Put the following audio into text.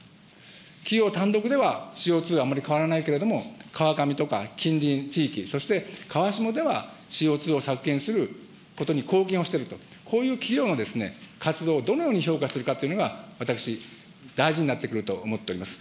企業単独ではＣＯ２はあまり変わらないけれども、川上とか近隣地域、そして川下ではＣＯ２を削減することに貢献をしていると、こういう企業の活動をどのように評価するかというのが、私、大事になってくると思っております。